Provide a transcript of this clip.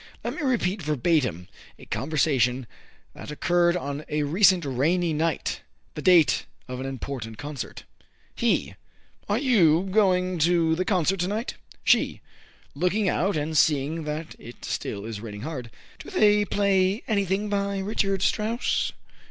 Let me repeat verbatim a conversation that occurred on a recent rainy night, the date of an important concert. He: "Are you going to the concert to night?" She: (Looking out and seeing that it still is raining hard) "Do they play anything by Richard Strauss?"